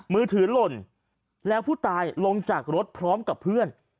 มือถือหล่นแล้วผู้ตายลงจากรถพร้อมกับเพื่อน